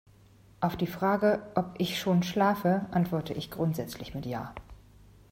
Auf die Frage, ob ich schon schlafe, antworte ich grundsätzlich mit ja.